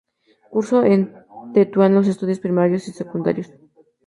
Cursó en Tetuán los estudios primarios y secundarios.